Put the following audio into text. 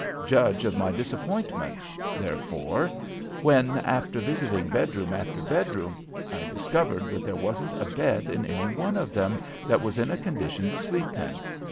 Judge of my disappointment, therefore, when, after visiting bedroom after bedroom, I discovered that there wasn't a bed in any one of them that was in a condition to sleep in.